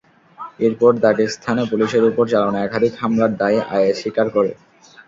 এরপর দাগেস্তানে পুলিশের ওপর চালানো একাধিক হামলার দায় আইএস স্বীকার করে।